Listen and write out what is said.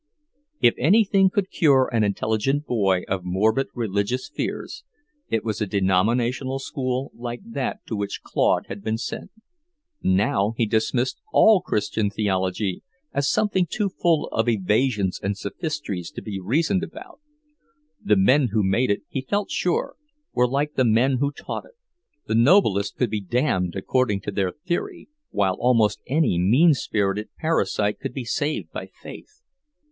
If anything could cure an intelligent boy of morbid religious fears, it was a denominational school like that to which Claude had been sent. Now he dismissed all Christian theology as something too full of evasions and sophistries to be reasoned about. The men who made it, he felt sure, were like the men who taught it. The noblest could be damned, according to their theory, while almost any mean spirited parasite could be saved by faith.